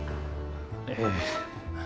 ええ。